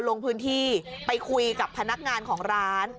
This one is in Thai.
ลงพื้นที่ไปคุยกับพนักงานของร้าน